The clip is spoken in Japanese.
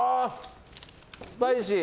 スパイシー！